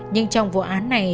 nhưng trong vụ án này